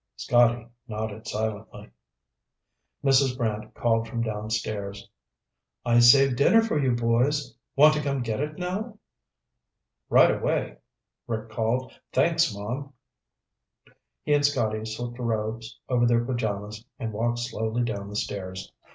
Scotty nodded silently. Mrs. Brant called from downstairs. "I saved dinner for you, boys. Want to come get it now?" "Right away," Rick called. "Thanks, Mom." He and Scotty slipped robes over their pajamas and walked slowly down the stairs.